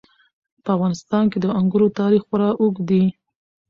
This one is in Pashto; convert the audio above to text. په افغانستان کې د انګورو تاریخ خورا اوږد دی.